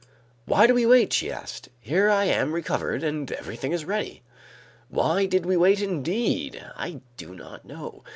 "Why do we wait?" she asked. "Here I am recovered and everything is ready." Why did we wait, indeed? I do not know.